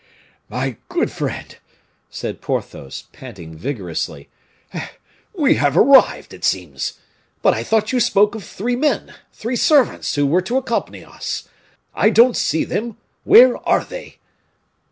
"My good friend," said Porthos, panting vigorously, "we have arrived, it seems. But I thought you spoke of three men, three servants, who were to accompany us. I don't see them where are they?"